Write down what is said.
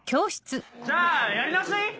じゃあやり直しでいい？